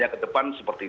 jadi kita harus berpikir